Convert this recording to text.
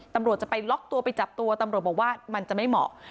ตำรวจจะไปล็อกตัวไปจับตัวตำรวจบอกว่ามันจะไม่เหมาะ